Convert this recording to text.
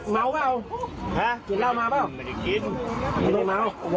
เม้าก็เอาฮะกินเหล้ามาเปล่าไม่ได้กินไม่ต้องเม้า